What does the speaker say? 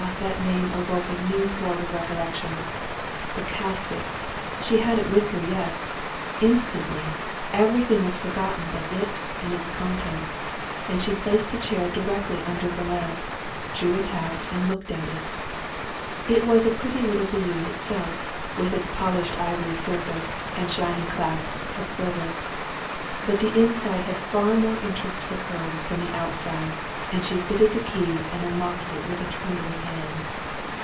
that name awoke a new chord of recollection the casket, she had it with her yet. Instantly, everything was forgotten but it and its contents; and she placed a chair directly under the lamp, drew it out, and looked at it. It was a pretty little bijou itself, with its polished ivory surface, and shining clasps of silver. But the inside had far more interest for her than the outside, and she fitted the key and unlocked it with a trembling hand.